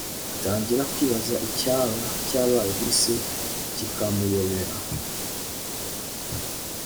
atangira kwibaza icyaba cyabaye kuri se kikamuyobera